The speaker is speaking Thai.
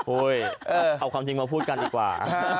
เอาความจริงมาพูดกันดีกว่า